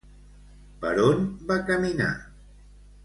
Per on va caminar?